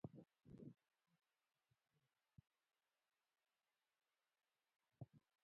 د انسټیټوت رهبري د پښتو ژبې د پرمختګ لپاره هڅې کوي.